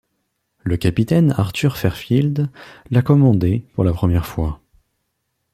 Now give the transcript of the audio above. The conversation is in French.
Le capitaine Arthur Fairfield l'a commandé pour la première fois.